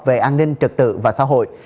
về an ninh trật tự và xã hội